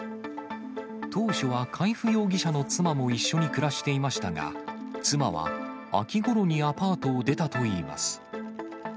当初は海部容疑者の妻も一緒に暮らしていましたが、妻は、秋ごろにアパートを出たといいます。